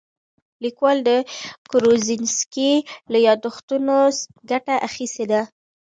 لیکوال د کروزینسکي له یادښتونو ګټه اخیستې ده.